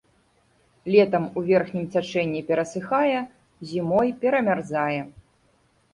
Летам у верхнім цячэнні перасыхае, зімой перамярзае.